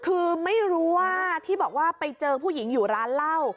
คือไม่รู้ว่าที่บอกว่าไปเจอผู้หญิงอยู่ร้านเหล้า